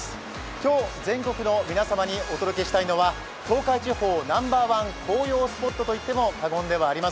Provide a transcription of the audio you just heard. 今日、全国の皆様にお届けしたいのは東海地方ナンバーワン紅葉スポットといってもいいでしょう。